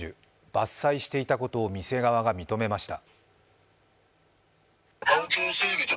伐採していたことを店側が認めました。